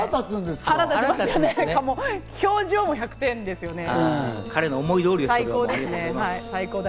表情も１００点ですよね。